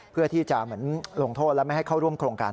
เพื่อที่จะเหมือนลงโทษและไม่ให้เข้าร่วมโครงการ